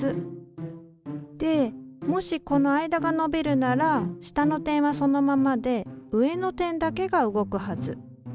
でもしこの間が伸びるなら下の点はそのままで上の点だけが動くはず。